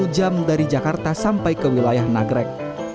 jam dari jakarta sampai ke wilayah nagrek